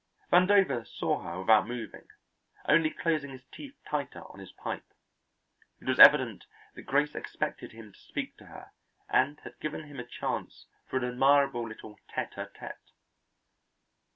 Vandover saw her without moving, only closing his teeth tighter on his pipe. It was evident that Grace expected him to speak to her and had given him a chance for an admirable little tête à tête.